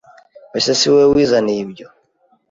Mbese si wowe wizaniye ibyo,